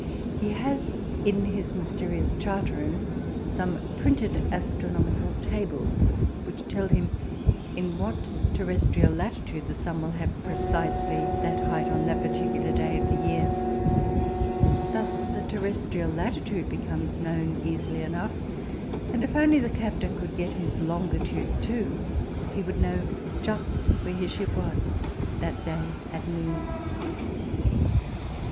He has in his mysterious "chart room" some printed astronomical tables, which tell him in what terrestrial latitude the sun will have precisely that height on that particular day of the year. Thus the terrestrial latitude becomes known easily enough, and if only the captain could get his longitude too, he would know just where his ship was that day at noon.